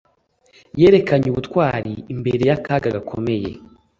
Yerekanye ubutwari imbere y'akaga gakomeye.